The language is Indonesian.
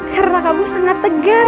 karena kamu sangat tegar